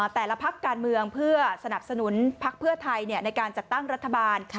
แต่ละพักการเมืองเพื่อสนับสนุนพักเพื่อไทยในการจัดตั้งรัฐบาล